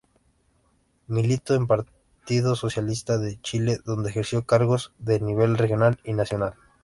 Militó en Partido Socialista de Chile donde ejerció cargos de nivel regional y nacional.